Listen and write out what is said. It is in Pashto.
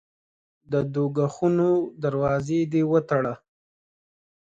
د دوږخونو دروازې دي وتړه.